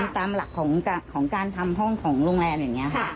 ตามหลักของการทำห้องของโรงแรมอย่างนี้ค่ะ